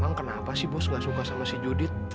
bang kenapa sih bos gak suka sama si judit